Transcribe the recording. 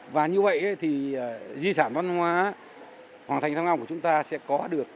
và như vậy thì di sản văn hóa hoàng thành thăng long của chúng ta sẽ có được